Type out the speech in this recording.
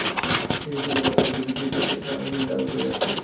শেষের শুরুর আগে আবেগটা যদি ছুঁয়ে যায়ও, সাঙ্গা সেটা আড়াল করেই রাখলেন।